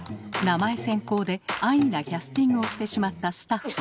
名前先行で安易なキャスティングをしてしまったスタッフ。